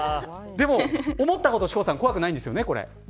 でも思ったほど怖くないんですよね。